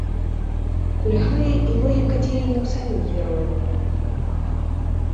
Кульгае і логіка дзеянняў саміх герояў.